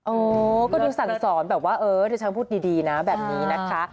เออก็ดูสั่งสอนแบบว่าเออดิฉันพูดดีนะแบบนี้นะคะ